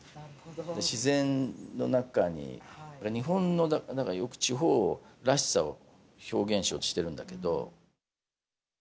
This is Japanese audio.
自然の中に、日本の地方らしさを表現しようとしているんだけれども。